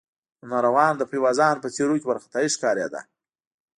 د ناروغانو د پيوازانو په څېرو کې وارخطايي ښکارېده.